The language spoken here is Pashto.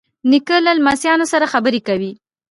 نیکه له لمسیانو سره خبرې کوي.